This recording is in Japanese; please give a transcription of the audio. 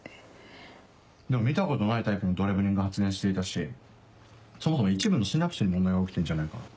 でも見たことないタイプのドレブリンが発現していたしそもそも一部のシナプスに問題が起きてんじゃないか？